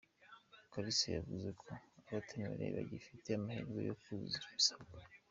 Kalisa yavuze ko abatemerewe bagifite amahirwe yo kuzuza ibisabwa.